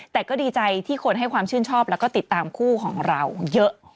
แต่ก็ดีใจที่คนให้ความชื่นชอบแล้วก็ติดตามคู่ของเราเยอะ